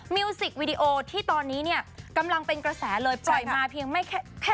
มิวสิกวีดีโอที่ตอนนี้เนี่ยกำลังเป็นกระแสเลยปล่อยมาเพียงไม่แค่